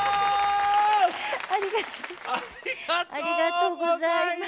ありがとうございます。